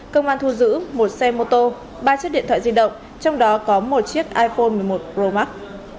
công an thu giữ một xe mô tô ba chiếc điện thoại di động trong đó có một chiếc iphone một mươi một pro max